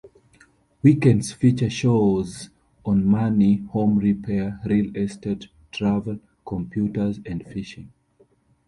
Weekends feature shows on money, home repair, real estate, travel, computers and fishing.